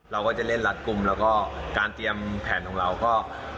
เราก็จะเล่นรัดกลุ่มแล้วก็การเตรียมแผนของเราก็